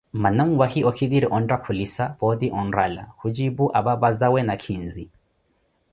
Mmana nwahi okhitire onttakhulisa, pooti onrala, khucipu apapazawe nakhinzi.